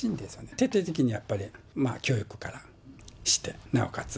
徹底的にやっぱり、教育からして、なおかつ